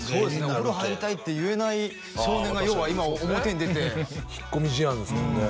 「お風呂入りたい」って言えない少年が要は今は表に出て引っ込み思案ですもんね